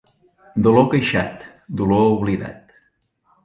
Dolor queixat, dolor oblidat.